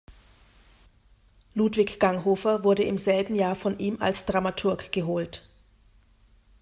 Ludwig Ganghofer wurde im selben Jahr von ihm als Dramaturg geholt.